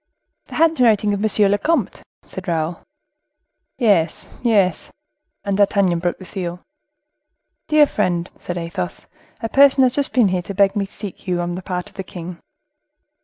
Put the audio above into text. "The handwriting of monsieur le comte," said Raoul. "Yes, yes." And D'Artagnan broke the seal. "Dear friend," said Athos, "a person has just been here to beg me to seek for you, on the part of the king."